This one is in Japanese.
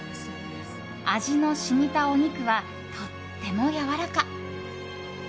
味の染みたお肉はとってもやわらか。